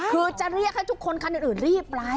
คือจะเรียกให้ทุกคนคันอื่นรีบไป